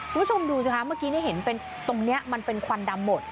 คุณผู้ชมดูสิคะเมื่อกี้นี่เห็นเป็นตรงนี้มันเป็นควันดำหมด